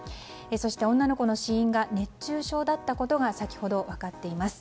そして、女の子の死因が熱中症だったことが先ほど分かっています。